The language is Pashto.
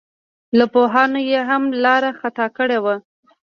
له پوهانو یې هم لار خطا کړې ده.